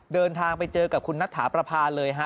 เดินทางไปเจอกับคุณนัทถาประพาเลยฮะ